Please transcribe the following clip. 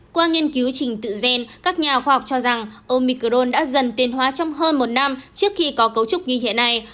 qua nghiên cứu trình tự gen các nhà khoa học cho rằng omicron đã dần tiền hóa trong hơn một năm trước khi có cấu trúc như hiện nay